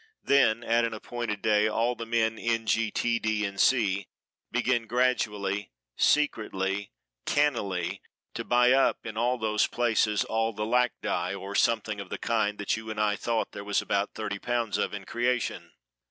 Then at an appointed day all the men n. g. t. d. and c. begin gradually, secretly, cannily, to buy up in all those places all the lac dye or something of the kind that you and I thought there was about thirty pounds of in creation.